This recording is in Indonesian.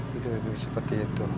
gitu seperti itu